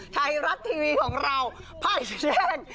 ไทยรัฐทีวีของเราภายในชุดแรก